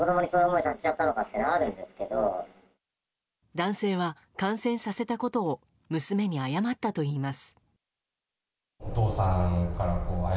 男性は感染させたことを娘に謝ったといいます。